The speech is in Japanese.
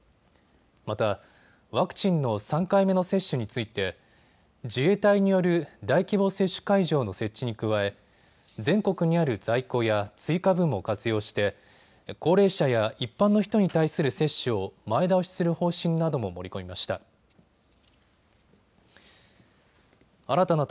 また、ワクチンの３回目の接種について自衛隊による大規模接種会場の設置に加え全国にある在庫や追加分も活用して高齢者や一般の人に対する接種を前倒しする方針なども盛り込みました。